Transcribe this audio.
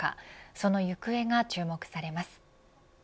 その行方が注目されます。